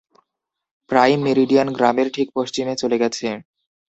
Prime meridian গ্রামের ঠিক পশ্চিমে চলে গেছে।